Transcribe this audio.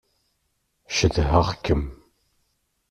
Cedhaɣ-kem.